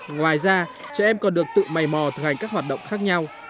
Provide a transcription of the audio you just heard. ngoài ra trẻ em còn được tự mây mò thực hành các hoạt động khác nhau